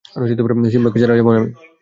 সিম্বাকে ছাড়া যাব না আমি।